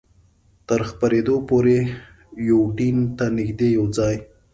تر خپرېدو پورې یوډین ته نږدې یو ځای.